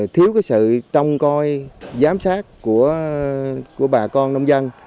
thiếu sự trông coi giám sát của bà con nông dân